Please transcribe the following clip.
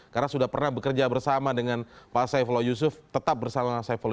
karena sudah pernah bekerja bersama dengan pak saifula yusuf tetap bersama pak amir